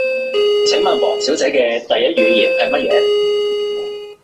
請問王小姐嘅第一語言係乜嘢？